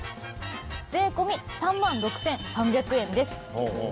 税込３万６３００円です。